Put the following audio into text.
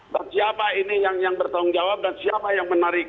dan siapa ini yang bertanggung jawab dan siapa yang menarik